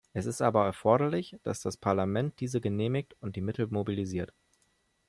Es ist aber erforderlich, dass das Parlament diese genehmigt und die Mittel mobilisiert.